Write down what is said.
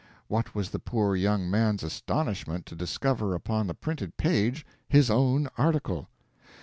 What was the poor young man's astonishment to discover upon the printed page his own article.